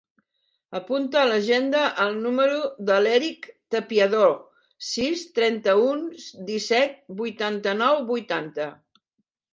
Apunta a l'agenda el número de l'Eric Tapiador: sis, trenta-u, disset, vuitanta-nou, vuitanta.